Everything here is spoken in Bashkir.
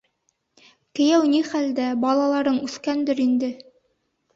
Кейәү ни хәлдә, балаларың үҫкәндер инде.